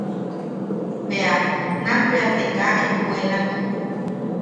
Bea... nak bea te kaa ejkuelak.